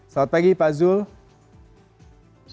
selamat pagi pak zulk